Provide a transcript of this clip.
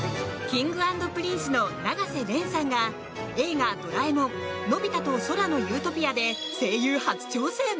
Ｋｉｎｇ＆Ｐｒｉｎｃｅの永瀬廉さんが「映画ドラえもんのび太と空の理想郷」で声優初挑戦！